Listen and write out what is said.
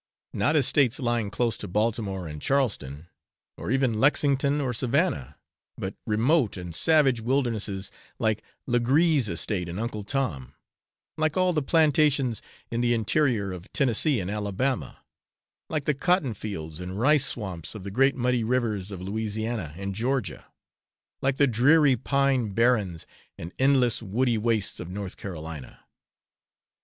not estates lying close to Baltimore and Charleston, or even Lesington or Savannah, but remote and savage wildernesses like Legree's estate in 'Uncle Tom,' like all the plantations in the interior of Tennessee and Alabama, like the cotton fields and rice swamps of the great muddy rivers of Lousiana and Georgia, like the dreary pine barrens and endless woody wastes of north Carolina.